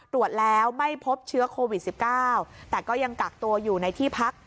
ตรวจแล้วไม่พบเชื้อโควิด๑๙แต่ก็ยังกักตัวอยู่ในที่พัก